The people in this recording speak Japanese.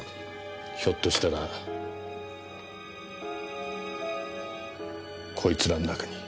ひょっとしたらこいつらの中に。